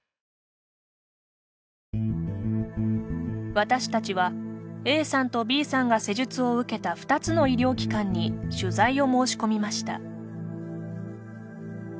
私たちは、ＡさんとＢさんが施術を受けた２つの医療機関に取材を申し込みました。